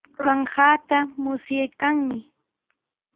Ruranqaata musyaykanmi.